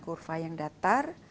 kurva yang datar